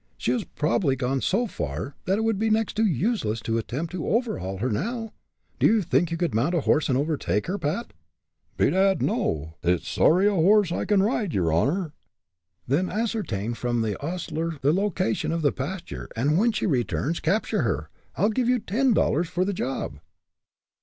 She has probably gone so far that it would be next to useless to attempt to overhaul her now. Do you think you could mount a horse and overtake her, Pat?" "Bedad, no. It's sorry a horse I can ride, yer honor." "Then ascertain from the ostler the location of the pasture, and when she returns capture her. I'll give you ten dollars for the job."